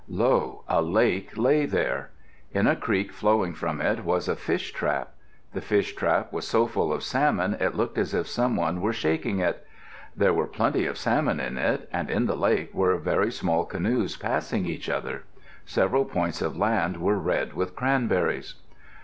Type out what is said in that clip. Lo, a lake lay there! In a creek flowing from it was a fish trap. The fish trap was so full of salmon it looked as if some one were shaking it. There were plenty of salmon in it and in the lake were very small canoes passing each other. Several points of land were red with cranberries.